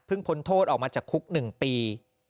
พ้นโทษออกมาจากคุก๑ปี